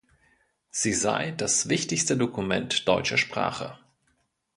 Sie sei „das wichtigste Dokument deutscher Sprache“.